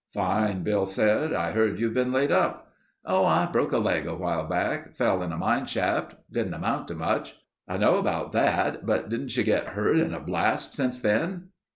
"Fine," Bill said. "I heard you've been laid up." "Oh, I broke a leg awhile back. Fell in a mine shaft. Didn't amount to much." "I know about that, but didn't you get hurt in a blast since then?"